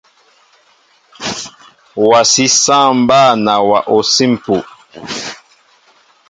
Wasi saŋ mba nawa osim epuh.